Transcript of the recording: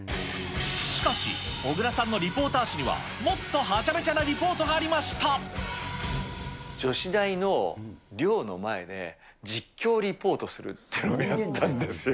しかし、小倉さんのリポーター史には、もっとはちゃめちゃなリポートが女子大の寮の前で、実況リポートするっていうのをやったんですよ。